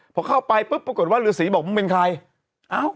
พอเข้าไปปุ๊บปรากฏว่าฤษีบอกมึงเป็นใคร